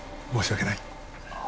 申し訳ない。